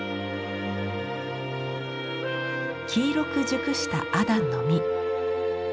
黄色く熟したアダンの実。